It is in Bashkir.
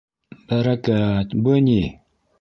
- Бәрәкәт, бы ни...